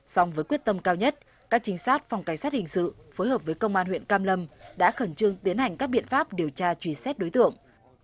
xong với quyết tâm cao nhất các chính sát phòng cảnh sát hình sự phối hợp với công an huyện cam lâm đã khẩn trương tiến hành các biện pháp điều tra truy xét đối tượng